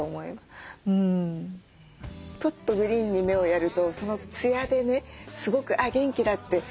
ポッとグリーンに目をやるとそのつやでねすごくあ元気だって。